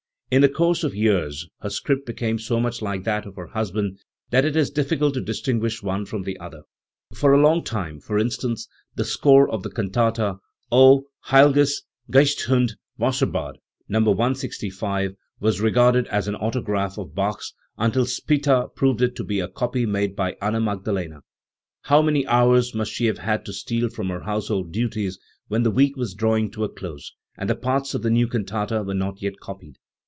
In the course of years her script became so much like that of her husband that it is difficult to distinguish one from the other. For a long time, for instance, the score of the cantata heU'ges Geist uncL Wasserbad (No. 165) was regarded as an autograph of Bach's, until Spitta proved it to be a copy made by Anna Magdalena*. How many hours must she have had to steal from her household duties when the week was drawing to a close, and the parts of the new cantata were not yet copied!